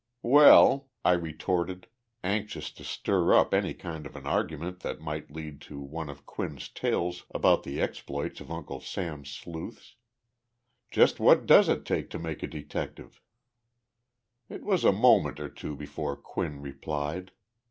"Well," I retorted, anxious to stir up any kind of an argument that might lead to one of Quinn's tales about the exploits of Uncle Sam's sleuths, "just what does it take to make a detective?" It was a moment or two before Quinn replied.